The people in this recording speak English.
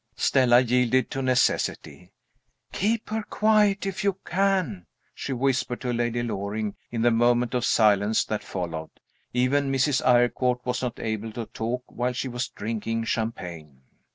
Stella yielded to necessity. "Keep her quiet, if you can," she whispered to Lady Loring, in the moment of silence that followed. Even Mrs. Eyrecourt was not able to talk while she was drinking champagne.